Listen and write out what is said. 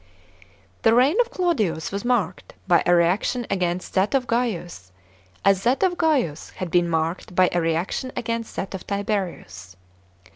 f § 4. The reign of Claudius was marked by a reaction against that of Gaius, as that of Gaius had been marked by a reaction against that of Tibeiius.